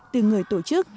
từ người tổ chức